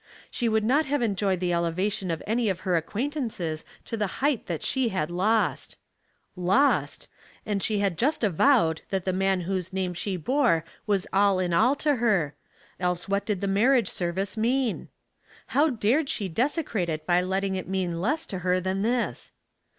She would not have en* joyed the elevation of any of her acquaintances to the height that she had lost. Lost! And Sentiment and Dust, 179 she had just avowed that the man whose name she bore was all in all to her ; else what did the marriasre service mean ? How dared she dese crate it by letting it mean less to her than this